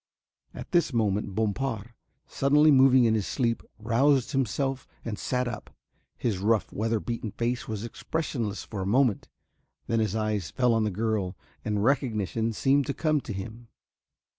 At this moment Bompard, suddenly moving in his sleep, roused himself and sat up. His rough, weather beaten face was expressionless for a moment, then his eyes fell on the girl and recognition seemed to come to him.